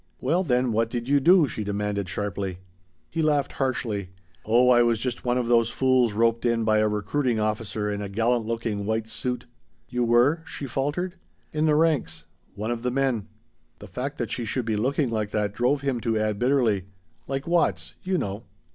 "Well then what did you do?" she demanded sharply. He laughed harshly. "Oh I was just one of those fools roped in by a recruiting officer in a gallant looking white suit!" "You were ?" she faltered. "In the ranks. One of the men." The fact that she should be looking like that drove him to add bitterly: "Like Watts, you know."